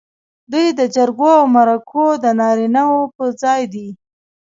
دوی د جرګو او مرکو د نارینه و پر ځای دي.